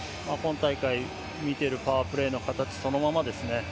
今大会、見ているパワープレーの形そのままですね。